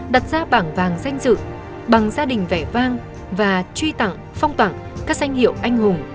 đặt ra bảng vàng danh dự bằng gia đình vẻ vang và truy tặng phong tỏa các danh hiệu anh hùng